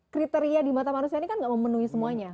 kriteria di mata manusia ini kan tidak memenuhi semuanya